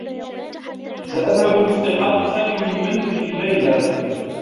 سأذهب لاصطحاب سامي من منزل ليلى.